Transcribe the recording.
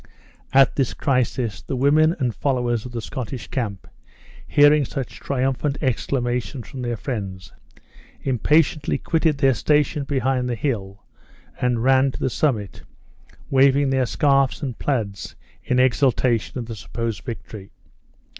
At this crisis the women and followers of the Scottish camp, hearing such triumphant exclamations from their friends, impatiently quitted their station behind the hill, and ran to the summit, waving their scarfs and plaids in exultation of the supposed victory.